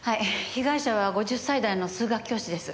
被害者は５０歳代の数学教師です。